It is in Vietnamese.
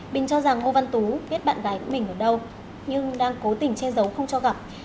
bình cho rằng ngô văn tú biết bạn gái của mình ở đâu nhưng đang cố tình che giấu không cho gặp